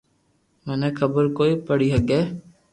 مني خبر ڪوئي پڙي ھگي